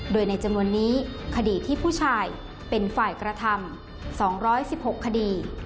โดยในจำนวนนี้คดีที่ผู้ชายเป็นฝ่ายกระทำ๒๑๖คดี